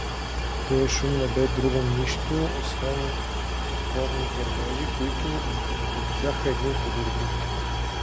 Тоя шум не бе друго нищо освен топовни гърмежи, които бухтяха един подир други.